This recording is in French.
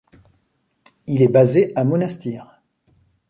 Il est basé à Monastir.